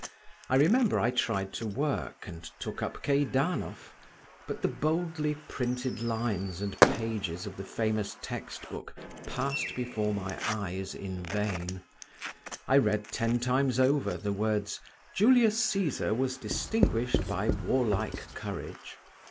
I remember I tried to work and took up Keidanov, but the boldly printed lines and pages of the famous text book passed before my eyes in vain. I read ten times over the words: "Julius Caesar was distinguished by warlike courage."